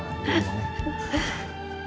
masih dibekelin aja